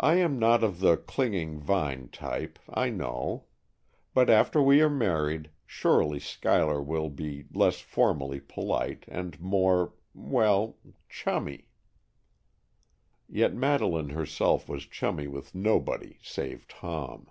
"I am not of the 'clinging vine' type, I know; but after we are married, surely Schuyler will be less formally polite, and more,—well,—chummy." Yet Madeleine herself was chummy with nobody save Tom.